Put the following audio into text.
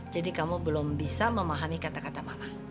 jadi kamu belum bisa memahami kata kata mama